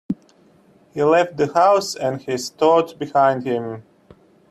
He left the house and his thoughts behind him.